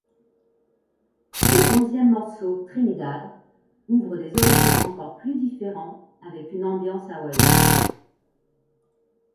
Le onzième morceau, Trinidad, ouvre des horizons encore plus différents avec une ambiance hawaïenne.